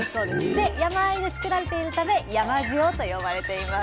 で山あいでつくられているため「山塩」と呼ばれています。